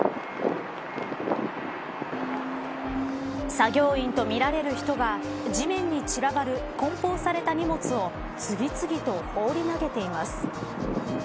作業員とみられる人が地面に散らばる梱包された荷物を次々と放り投げています。